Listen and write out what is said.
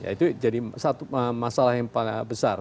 itu jadi satu masalah yang paling besar